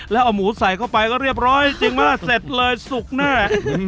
แล้วเอาหมูใส่เข้าไปก็เรียบร้อยจริงไหมเสร็จเลยสุกแน่